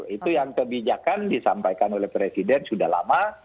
itu yang kebijakan disampaikan oleh presiden sudah lama